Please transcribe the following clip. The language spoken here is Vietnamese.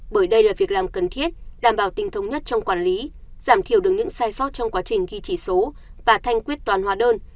bởi đây là việc làm cần thiết đảm bảo tình thống nhất trong quản lý giảm thiểu được những sai sót trong quá trình ghi chỉ số và thanh quyết toán hóa đơn